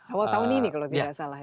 awal tahun ini kalau tidak salah